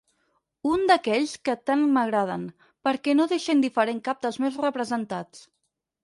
Un d'aquells que tant m'agraden, perquè no deixa indiferent cap dels meus representats.